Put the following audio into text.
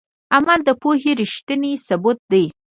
عمل د پوهې ریښتینی ثبوت دی.